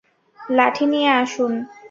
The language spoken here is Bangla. লাঠি নিয়ে আসুন।